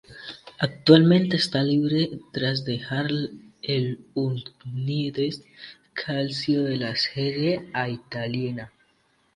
Actualmente está libre tras dejar el Udinese Calcio de la Serie A italiana.